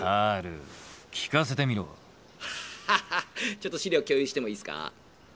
ちょっと資料共有してもいいっすか。